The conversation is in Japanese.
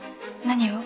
何を？